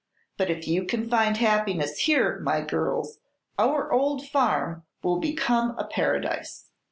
But if you can find happiness here, my girls, our old farm will become a paradise."